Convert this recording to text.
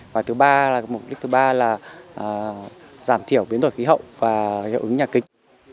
và mục đích thứ ba là giảm thiểu biến đổi khí hậu và hiệu ứng nhà kinh